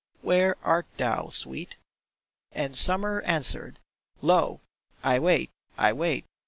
Where art thou, sweet ? And Summer answered :" Lo I I wait ! I wait